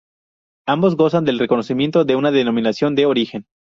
Ambos gozan del reconocimiento de una Denominación de Origen.